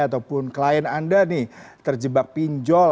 ataupun klien anda nih terjebak pinjol